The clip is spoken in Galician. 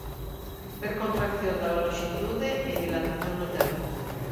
Ver contracción da lonxitude e dilatación do tempo.